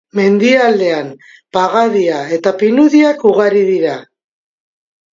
Mendialdean pagadia eta pinudiak ugari dira.